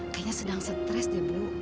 kayaknya sedang stres ya bu